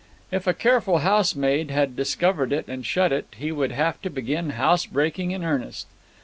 If a careful housemaid had discovered it and shut it, he would have to begin housebreaking in earnest.